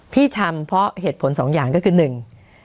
พี่ทำเพราะเหตุผลสองอย่างก็คือหนึ่ง